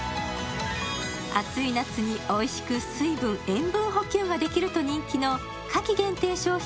暑い夏においしく水分・塩分補給ができると人気の夏季限定商品